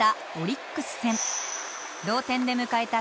同点で迎えた